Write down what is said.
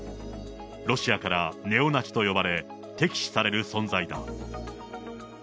ロシアからネオナチと呼ばれ、敵視される存在だ。